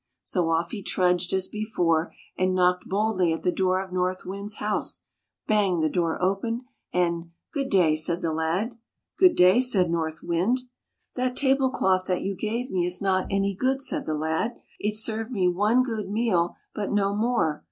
So off he trudged as before, and knocked boldly at the door of North Wind's house. Bang! the door opened; and " Good day," said the lad. [ 120 ] THE LAD WHO VISITED NORTH WIND Good day/* said North Wind. " That table cloth that you gave me is not any good/^ said the lad. " It served me one good meal, but no more.